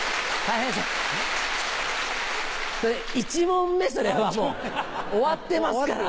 １問目それはもう終わってますから。